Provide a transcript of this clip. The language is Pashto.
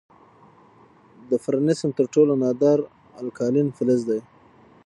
د فرنسیم تر ټولو نادر الکالین فلز دی.